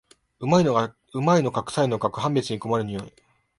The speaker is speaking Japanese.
旨いのかくさいのか判別に困る匂い